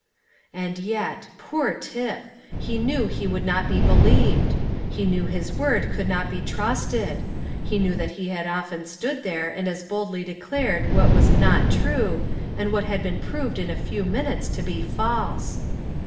And yet poor Tip! he knew he would not be believed; he knew his word could not be trusted; he knew he had often stood there and as boldly declared what was not true, and what had been proved in a few minutes to be false.